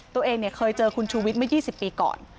ตัวเองเคยเจอคุณชูวิทย์เมื่อ๒๐ปีก่อน